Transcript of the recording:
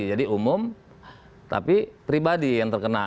jadi umum tapi pribadi yang terkena